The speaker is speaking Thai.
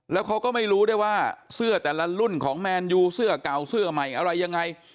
แล้วเขาก็ไม่รู้ได้ว่าเสื้อแต่ละรุ่นของแมนยูเสื้อเก่าเสื้อใหม่อะไรยังไง